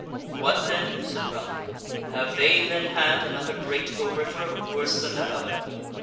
"What then," said Ralph, "have they then had another great overthrow, worse than that other?"